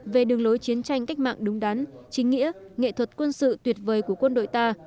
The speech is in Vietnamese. về đường lối chiến tranh cách mạng đúng đắn chính nghĩa nghệ thuật quân sự tuyệt vời của quân đội ta